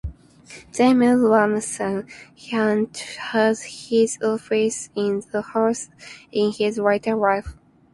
James Ramsay Hunt had his office in the house in his later life.